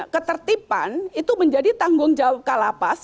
ketertiban itu menjadi tanggung jawab kalapas